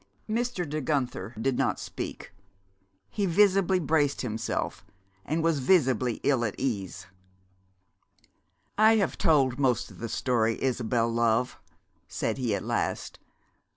Mr. De Guenther did not speak. He visibly braced himself and was visibly ill at ease. "I have told most of the story, Isabel, love," said he at last.